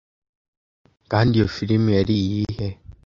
Kandi iyo firime yari iyihe